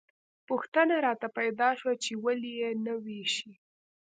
پوښتنه راته پیدا شوه چې ولې یې نه ویشي.